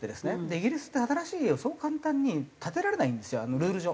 イギリスって新しい家をそう簡単に建てられないんですよルール上。